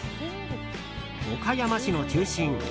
岡山市の中心